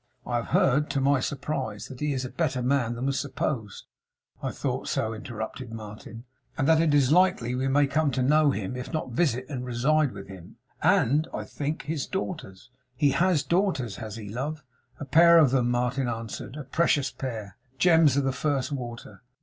'I have heard, to my surprise, that he is a better man than was supposed.' 'I thought so,' interrupted Martin. 'And that it is likely we may come to know him, if not to visit and reside with him and I think his daughters. He HAS daughters, has he, love?' 'A pair of them,' Martin answered. 'A precious pair! Gems of the first water!